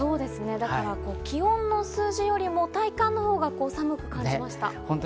だから気温の数字より体感のほうが寒く感じました。